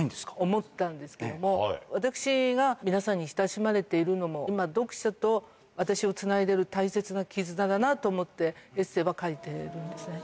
思ったんですけども、私が皆さんに親しまれているのも、今、読者と私をつないでる大切な絆だなと思って、エッセーは書いているんですね。